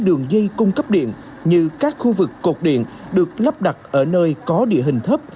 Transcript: đường dây cung cấp điện như các khu vực cột điện được lắp đặt ở nơi có địa hình thấp